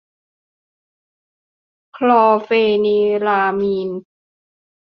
คลอร์เฟนิรามีน